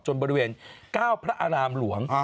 บริเวณ๙พระอารามหลวง